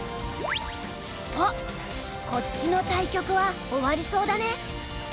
あっこっちの対局は終わりそうだね。